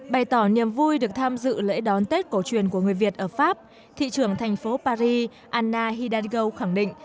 bày tỏ niềm vui được tham dự lễ đón tết cổ truyền của người việt ở pháp thị trưởng thành phố paris anna hidarigo khẳng định